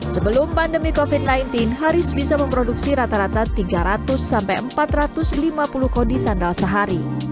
sebelum pandemi covid sembilan belas haris bisa memproduksi rata rata tiga ratus sampai empat ratus lima puluh kodi sandal sehari